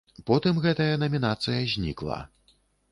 Потым гэтая намінацыя знікла.